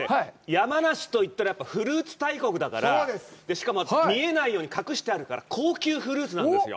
山梨といったらやっぱりフルーツ大国だから、しかも見えないように隠してあるから高級フルーツなんですよ。